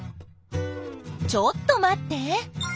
ちょっと待って。